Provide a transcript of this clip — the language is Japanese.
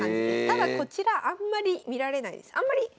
ただこちらあんまり見られないです。